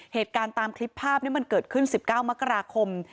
เหตุการณ์ตามคลิปภาพนี้มันเกิดขึ้น๑๙มกราคม